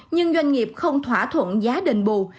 nhưng doanh nghiệp không thỏa thuận giá đền bù